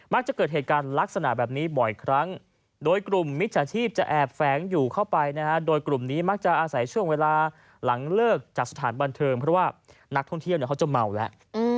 จะเกิดเหตุการณ์ลักษณะแบบนี้บ่อยครั้งโดยกลุ่มมิจฉาชีพจะแอบแฝงอยู่เข้าไปนะฮะโดยกลุ่มนี้มักจะอาศัยช่วงเวลาหลังเลิกจากสถานบันเทิงเพราะว่านักท่องเที่ยวเขาจะเมาแล้ว